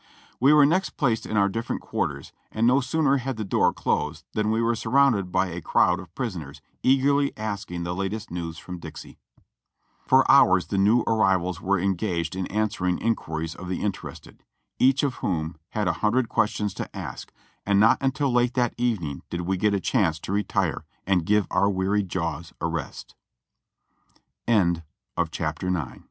We were next placed in our different quarters, and no sooner liad the door closed than we were surrounded by a crowd of pris oners eagerly asking the latest news from Dixie. For hours the new arrivals were engaged in answering in quiries of the interested, each of whom had a hundred questions to ask, and not until late that evening did we get a chance